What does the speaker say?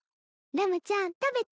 ラムちゃん食べて。